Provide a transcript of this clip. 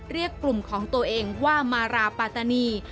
เรียกกลุ่มของตัวเองว่ามาราปาตานี